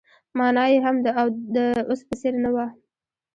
مانا يې هم د اوس په څېر نه وه.